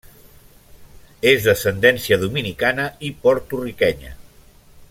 És d'ascendència dominicana i porto-riquenya.